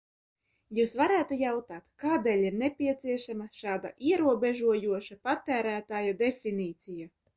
"Jūs varētu jautāt, kādēļ ir nepieciešama šāda ierobežojoša "patērētāja" definīcija?"